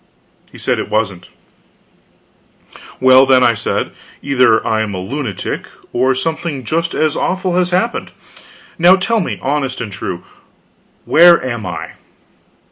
He said it wasn't. "Well, then," I said, "either I am a lunatic, or something just as awful has happened. Now tell me, honest and true, where am I?"